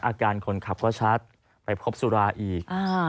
อาการคนขับก็ชัดไปพบสุราอีก